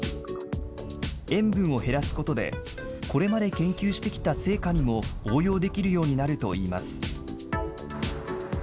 塩分を減らすことで、これまで研究してきた成果にも応用できるようになるといいます。